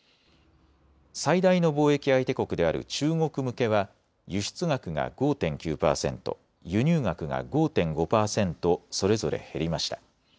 最大の貿易相手国である中国向けは輸出額が５．９％、輸入額が５．５％それぞれ減りました。